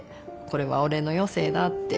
「これは俺の余生だ」って。